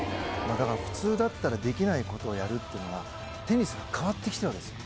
だから普通だったらできないことをやるっていうのは、テニスが変わってきてるわけですよ。